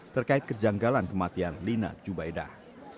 terkait kejanggalan kematian lina jubaidah